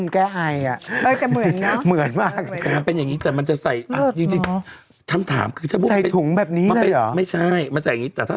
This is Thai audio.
เขาเอาไปเหลาอ่ะเอาไปเหลาให้เข้ากับ๘ละคน